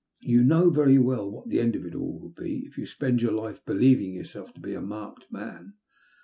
You know very well what the end of it all will be, if you spend your life believing yourself to be a marked man."